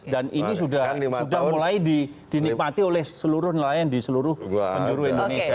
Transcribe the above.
dan ini sudah mulai dinikmati oleh seluruh nelayan di seluruh penjuru indonesia